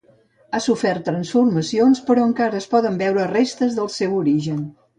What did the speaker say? Ha sofert transformacions però encara es poden veure restes del seu origen.